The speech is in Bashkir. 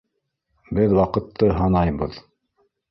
Ә беҙ ваҡытты һанайбыҙ.